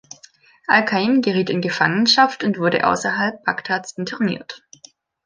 Al-Qa'im geriet in Gefangenschaft und wurde außerhalb Bagdads interniert.